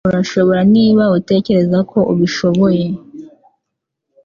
Urashobora niba utekereza ko ubishoboye.